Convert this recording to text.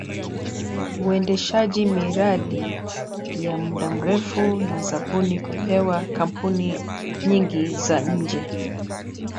Uendeshaji miradi ya muda mrefu na zabuni kupewa kampuni nyingi za nje